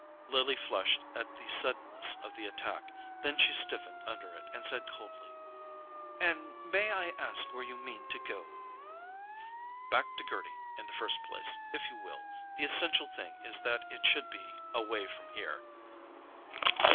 Lily flushed at the suddenness of the attack; then she stiffened under it and said coldly: "And may I ask where you mean me to go?" "Back to Gerty in the first place, if you will; the essential thing is that it should be away from here."